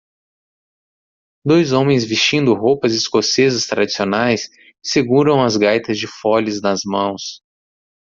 Dois homens vestindo roupas escocesas tradicionais seguram as gaitas de foles nas mãos.